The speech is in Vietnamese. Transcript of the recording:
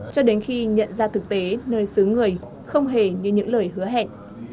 cho đến khi nhận ra thực tế nơi xứ người không hề như những lời hứa hẹn